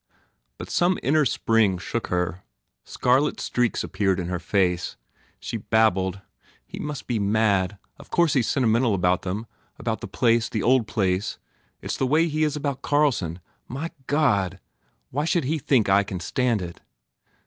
But some inner spring shook her. Scarlet streaks ap peared in her face. She babbled, "He must be mad! Of course he s sentimental about them about the place the old place It s the way he is about Carlson ! My God, why should he think I can stand it!"